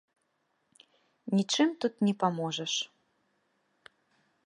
Нічым тут не паможаш.